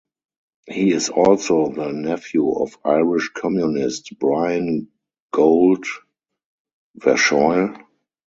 He is also the nephew of Irish communist Brian Goold-Verschoyle.